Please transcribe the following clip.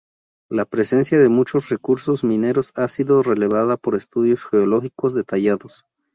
La presencia de muchos recursos mineros ha sido revelada por estudios geológicos detallados.